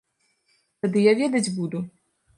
Тады я ведаць буду!